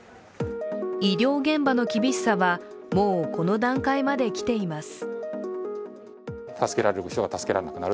医療現場の厳しさはもうこの段階まで来ています。